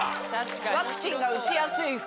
「ワクチンが打ちやすい服」。